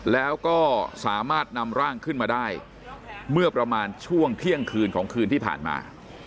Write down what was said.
แล้วก็สามารถนำร่างขึ้นมาได้เมื่อประมาณช่วงเที่ยงคืนของคืนที่ผ่านมา